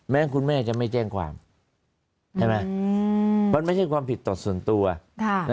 คุณแม่จะไม่แจ้งความใช่ไหมมันไม่ใช่ความผิดต่อส่วนตัว